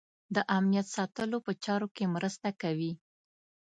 د امنیت ساتلو په چارو کې مرسته کوي.